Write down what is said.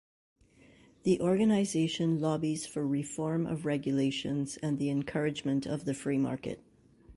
The organization lobbies for reform of regulations and the encouragement of the free market.